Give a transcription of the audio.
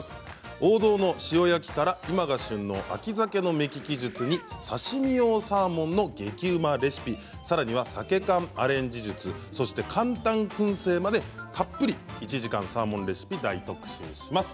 王道の塩焼きから今が旬の秋ザケの目利き術に刺身用サーモンの激うまレシピさらにはサケ缶アレンジ術そして簡単くん製までたっぷり１時間サーモンレシピを大特集します。